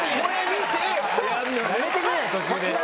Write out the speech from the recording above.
やめてくれ途中で。